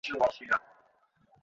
বেচারা মলি।